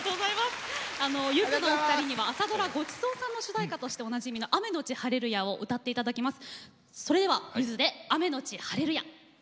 ゆずのお二人には朝ドラ「ごちそうさん」の主題歌としておなじみの「雨のち晴レルヤ」を歌っていただきます。